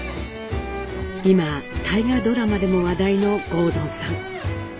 今大河ドラマでも話題の郷敦さん。